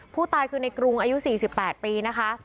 ผู้ตายคือในกรุงอายุ๔๘ปีนะคะ